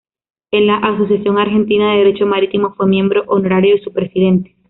En la Asociación Argentina de Derecho Marítimo fue miembro honorario y su presidente.